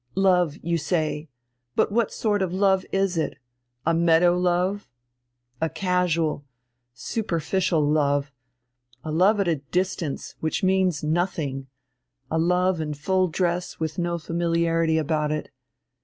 Love, you say. But what sort of love is it? A meadow love, a casual, superficial love, a love at a distance, which means nothing a love in full dress with no familiarity about it.